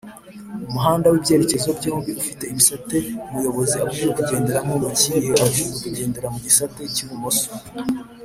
mumuhanda wibyerekezo byombi ufite ibisate muyobozi abujijwe kugendera mukihe?abujijwe kugendera mugisate cy’ibumoso